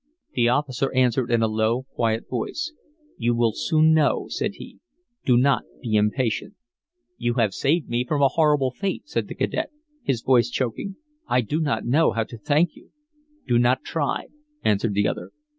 The officer answered in a low, quiet voice: "You will soon know," said he. "Do not be impatient." "You have saved me from a horrible fate," said the cadet, his voice choking. "I do not know how to thank you." "Do not try," answered the other.